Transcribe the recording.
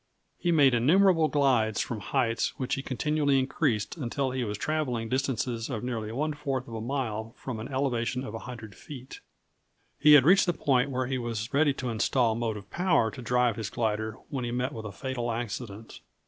He made innumerable glides from heights which he continually increased until he was travelling distances of nearly one fourth of a mile from an elevation of 100 feet. He had reached the point where he was ready to install motive power to drive his glider when he met with a fatal accident.